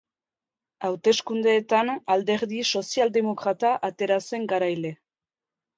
Hauteskundeetan, Alderdi Sozialdemokrata atera zen garaile.